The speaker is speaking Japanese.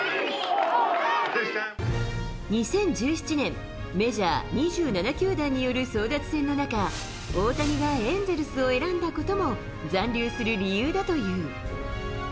２０１７年、メジャー２７球団による争奪戦の中、大谷がエンゼルスを選んだことも、残留する理由だという。